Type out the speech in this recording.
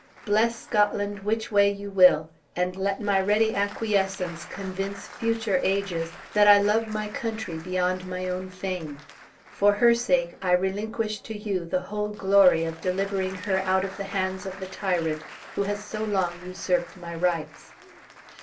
Bless Scotland which way you will, and let my ready acquiescence convince future ages, that I love my country beyond my own fame; for her sake I relinquish to you the whole glory of delivering her out of the hands of the tyrant who has so long usurped my rights.